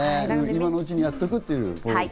今のうちにやっておく。